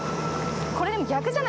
これ、でも逆じゃな